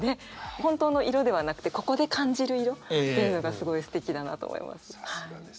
本当の色ではなくてここで感じる色というのがすごいすてきだなと思います。